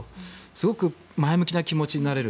すごく前向きな気持ちになれる。